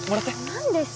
何ですか！